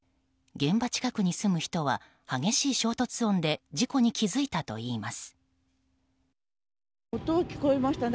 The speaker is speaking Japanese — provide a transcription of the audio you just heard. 現場近くに住む人は激しい衝突音で事故に気付いたといいます。